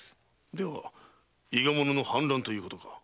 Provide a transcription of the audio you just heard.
では伊賀者の反乱ということか。